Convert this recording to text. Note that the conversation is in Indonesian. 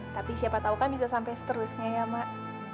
tapi siapa tahu kan bisa sampai seterusnya ya mak